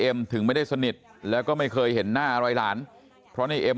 ถึงไม่ได้สนิทแล้วก็ไม่เคยเห็นหน้าอะไรหลานเพราะในเอ็ม